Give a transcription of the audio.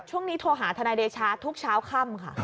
ช่วงนี้โทรหาธนายเดชาทุกเช้าค่ำค่ะ